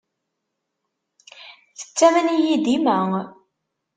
Tettamen-iyi dima.